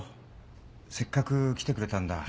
せっかく来てくれたんだ。